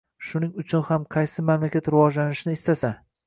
Shuning uchun ham qaysi mamlakat rivojlanishni istasa